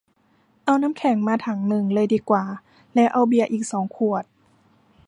เอาน้ำแข็งมาถังนึงเลยดีกว่า แล้วเอาเบียร์อีกสองขวด